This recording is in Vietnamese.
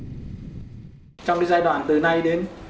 trong giai đoạn từ nay đến